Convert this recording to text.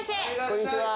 こんにちは。